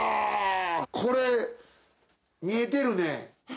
これ、見えてるね。